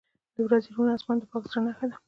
• د ورځې روڼ آسمان د پاک زړه نښه ده.